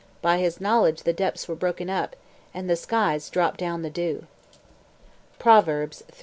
By his knowledge the depths were broken up, And the skies drop down the dew. PROVERBS, III.